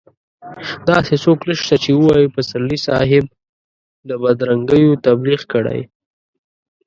داسې څوک نشته چې ووايي پسرلي صاحب د بدرنګيو تبليغ کړی.